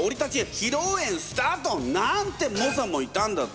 披露宴スタートなんて猛者もいたんだって！